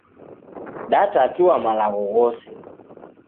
Datatua malagho ghose